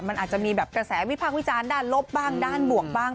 มันอาจจะมีแบบกระแสวิพากษ์วิจารณ์ด้านลบบ้างด้านบวกบ้าง